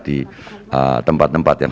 di tempat tempat yang